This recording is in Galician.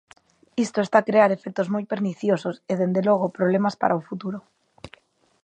Isto está a crear efectos moi perniciosos e, dende logo, problemas para o futuro.